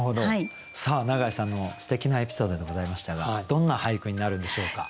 さあ永井さんのすてきなエピソードでございましたがどんな俳句になるんでしょうか。